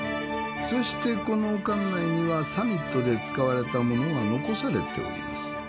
そしてこの館内にはサミットで使われたものが残されております。